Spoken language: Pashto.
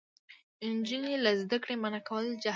نجونې له زده کړې منع کول جهل دی.